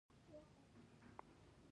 ښځي د قرباني په توګه وړاندي کيدي.